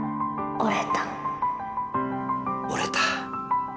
折れた。